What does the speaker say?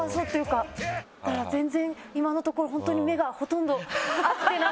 だから全然今のところ本当に目がほとんど合ってなくて。